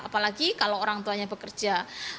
apalagi kalau orang tuanya bekerja